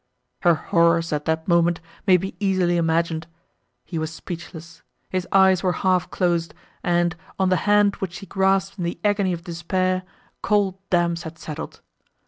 Her horrors, at that moment, may be easily imagined. He was speechless; his eyes were half closed, and, on the hand, which she grasped in the agony of despair, cold damps had settled.